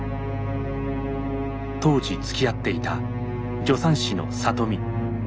当時つきあっていた助産師の里美。